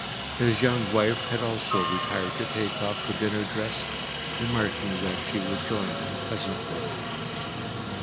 His young wife had also retired to take off her dinner dress, remarking that she would join him presently.